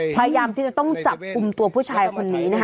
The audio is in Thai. พยายามที่จะต้องจับกลุ่มตัวผู้ชายคนนี้นะคะ